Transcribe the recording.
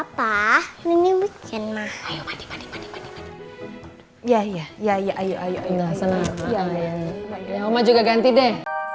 ya ya ya ya ayo senang juga ganti deh